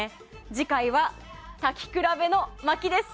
次回は、炊き比べの巻です。